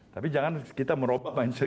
tapi jangan kita meroboh mindset